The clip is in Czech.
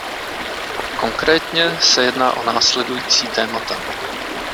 Konkrétně se jedná o následující témata.